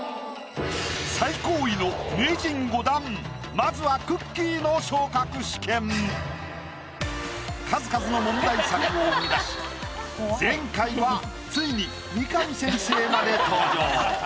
最高位の数々の問題作を生み出し前回はついに三上先生まで登場。